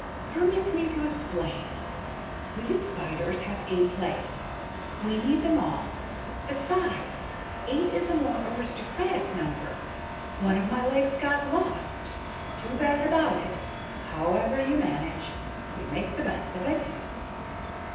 "Permit me to explain. We spiders have eight legs. We need them all. Besides, eight is a more aristocratic number. One of my legs got lost. Too bad about it. However you manage, you make the best of it."